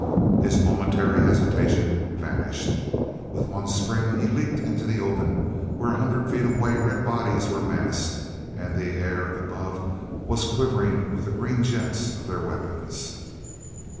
His momentary hesitation vanished. With one spring he leaped into the open where, a hundred feet away, red bodies were massed, and the air above was quivering with the green jets of their weapons.